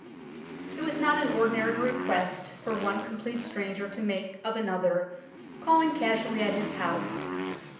It was not an ordinary request for one complete stranger to make of another, calling casually at his house.